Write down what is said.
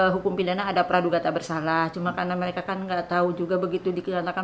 hukum pidana ada praduga tak bersalah cuma karena mereka kan enggak tahu juga begitu dikatakan